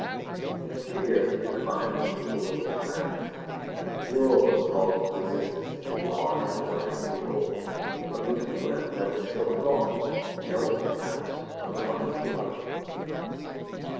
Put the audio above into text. In a few years the human mind was peopled with abstractions; a new world was called into existence to give law and order to the old. But between them there was still a gulf, and no one could pass from the one to the other.